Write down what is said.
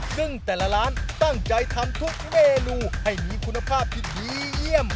ซึ่งแต่ละร้านตั้งใจทำทุกเมนูให้มีคุณภาพที่ดีเยี่ยม